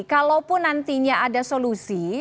kalau nantinya ada solusi